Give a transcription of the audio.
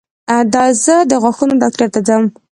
زه د غاښونو ډاکټر ته ځم.